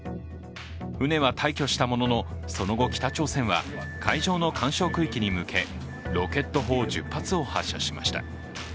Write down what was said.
船は退去したものの、その後、北朝鮮は海上の緩衝区域に向けロケット砲１０発を発射しました。